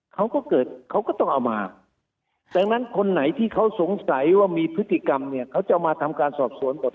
เขาก็เกิดเขาก็ต้องเอามาดังนั้นคนไหนที่เขาสงสัยว่ามีพฤติกรรมเนี่ยเขาจะมาทำการสอบสวนหมด